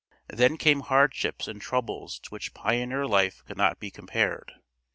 Then came hardships and troubles to which pioneer life could not be compared.